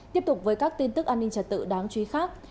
tiếp tục với các tin tức an ninh trật tự đáng chú ý khác